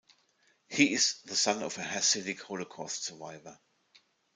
He is the son of an Hasidic Holocaust survivor.